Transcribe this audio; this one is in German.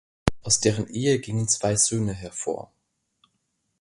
Aus deren Ehe gingen zwei Söhne hervor.